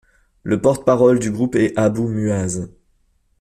Le porte-parole du groupe est Abou Muazz.